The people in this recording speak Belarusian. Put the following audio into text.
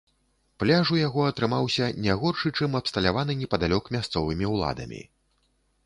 Пляж у яго атрымаўся не горшы, чым абсталяваны непадалёк мясцовымі ўладамі.